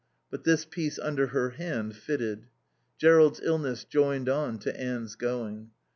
But this piece under her hand fitted. Jerrold's illness joined on to Anne's going.